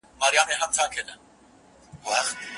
څېړونکی د متن جوړښت څنګه ارزوي؟